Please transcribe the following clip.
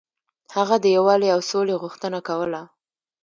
هغه د یووالي او سولې غوښتنه کوله.